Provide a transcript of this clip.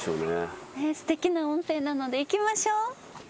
すてきな温泉なので行きましょう。